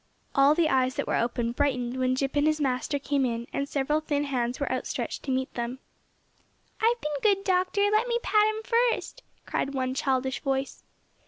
All the eyes that were open brightened when Jip and his master came in, and several thin hands were outstretched to meet them. "I've been good, Doctor, let me pat him first," cried one childish voice.